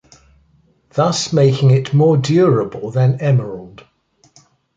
Thus making it more durable than emerald.